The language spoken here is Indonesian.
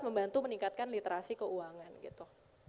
membantu meningkatkan literasi keuangan gitu